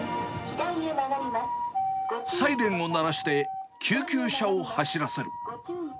サイレンを鳴らして、救急車を走らせる。